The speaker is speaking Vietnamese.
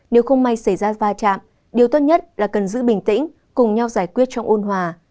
nếu không may xảy ra va chạm điều tốt nhất là cần giữ bình tĩnh cùng nhau giải quyết trong ôn hòa